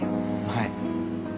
はい。